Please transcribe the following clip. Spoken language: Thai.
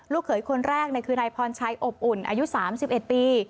เขยคนแรกคือนายพรชัยอบอุ่นอายุ๓๑ปี